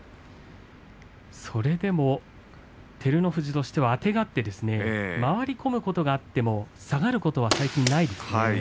それでも照ノ富士としてはあてがって回り込むことはあっても下がることは最近ないですね。